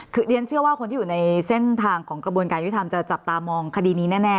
คือเรียนเชื่อว่าคนที่อยู่ในเส้นทางของกระบวนการยุทธรรมจะจับตามองคดีนี้แน่